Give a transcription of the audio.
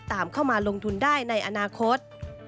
ตามเข้ามาลงทุนได้ในอนาคต